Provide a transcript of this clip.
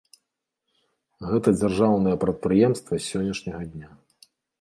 Гэта дзяржаўнае прадпрыемства з сённяшняга дня.